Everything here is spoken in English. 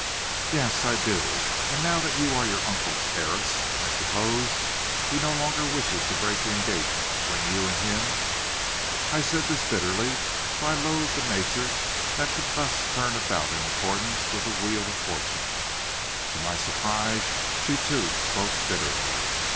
"Yes, I do. And now that you are your uncle's heiress, I suppose he no longer wishes to break the engagement between you and him." I said this bitterly, for I loathed the nature that could thus turn about in accordance with the wheel of fortune. To my surprise, she too spoke bitterly.